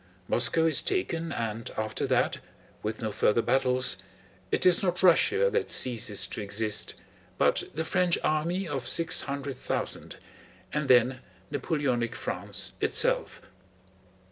Moscow is taken and after that, with no further battles, it is not Russia that ceases to exist, but the French army of six hundred thousand, and then Napoleonic France itself.